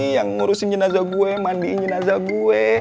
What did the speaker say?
yang ngurusin jenazah gue mandiin jenazah gue